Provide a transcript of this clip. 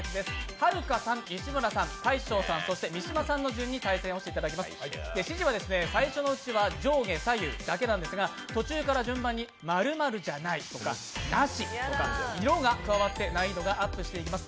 はるかさん、西村さん、大昇さん、三島さんの順で対戦をしていただきます指示は最初のうちは上下左右だけなんですが、途中から順番に○○じゃないとかなしとか、色が加わって難易度がアップしていきます。